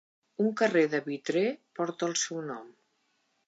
Un carrer de Vitré porta el seu nom.